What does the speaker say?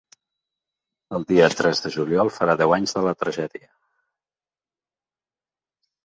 El dia tres de juliol farà deu anys de la tragèdia.